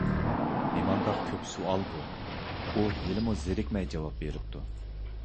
نېمانداق كۆپ سوئال بۇ؟ ! ئۇ ھېلىمۇ زېرىكمەي جاۋاب بېرىپتۇ.